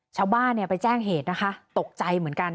ชาวบ้านเนี่ยไปแจ้งเหตุนะคะตกใจเหมือนกัน